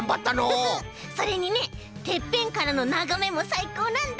それにねてっぺんからのながめもさいこうなんだ！